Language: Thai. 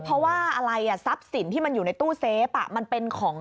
เพราะว่าทรัพย์สินที่มาอยู่ในตู้เซฟ